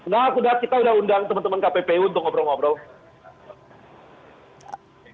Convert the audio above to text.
nah aku lihat kita udah undang teman teman kppu untuk ngobrol ngobrol